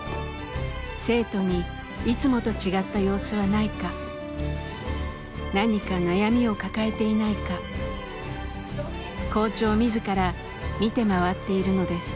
生徒にいつもと違った様子はないか何か悩みを抱えていないか校長自ら見て回っているのです。